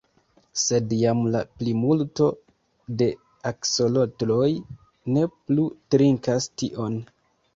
Sed jam la plimulto de aksolotloj ne plu trinkas tion.